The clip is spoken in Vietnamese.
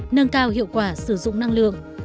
nâng cao hiệu quả sử dụng năng lượng